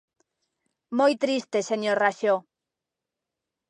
¡Moi triste, señor Raxó!